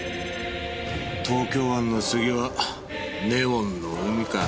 東京湾の次はネオンの海か。